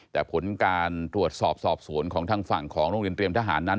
แต่ผลการตรวจสอบสอบสวนของทางฝั่งของโรงเรียนเตรียมทหารนั้น